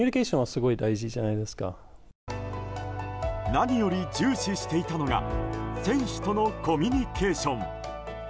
何より重視していたのが選手とのコミュニケーション。